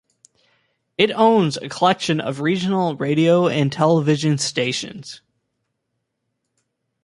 It owns a collection of regional radio and television stations.